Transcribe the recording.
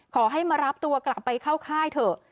ขอให้มารับตัวกลับไปเข้าค่ายเถอะ